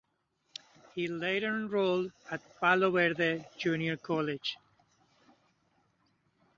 He later enrolled at Palo Verde Junior College.